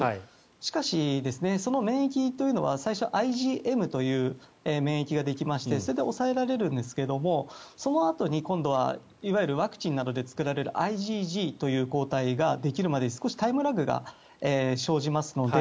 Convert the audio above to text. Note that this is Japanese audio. しかし、その免疫というのはＩｇＭという免疫ができましてそれで抑えられるんですがそのあとに今度はいわゆるワクチンなどで作られるＩｇＧという抗体ができるまでに少しタイムラグが生じますので